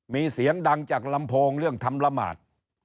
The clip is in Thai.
มีเสียงดังจากลำโพงเรื่องทำละหมาด